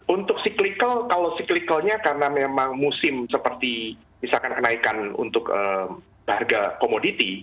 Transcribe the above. untuk cyclical kalau cyclicalnya karena memang musim seperti misalkan kenaikan untuk harga komoditi